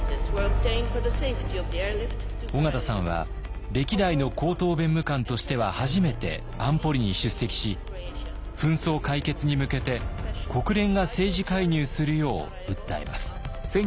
緒方さんは歴代の高等弁務官としては初めて安保理に出席し紛争解決に向けて国連が政治介入するよう訴えます。